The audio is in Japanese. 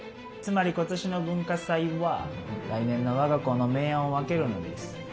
つまり今年の文化祭は来年の我が校の明暗を分けるのです。